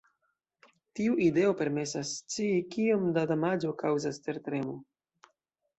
Tiu ideo permesas scii kiom da damaĝo kaŭzas tertremo.